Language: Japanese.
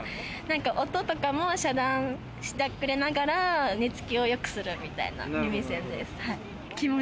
音とかも遮断してくれながら寝つきをよくするみたいな耳栓です。